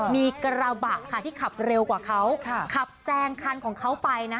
มีกระบะค่ะที่ขับเร็วกว่าเขาขับแซงคันของเขาไปนะ